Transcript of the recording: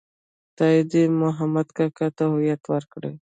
خدای دې محمود کاکا ته هدایت وکړي.